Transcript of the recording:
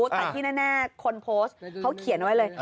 แต่ที่แน่คนโพสต์เขาเขียนไว้เลย